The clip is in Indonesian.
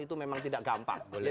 itu memang tidak gampang